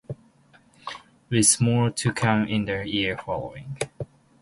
With more to come in the years following.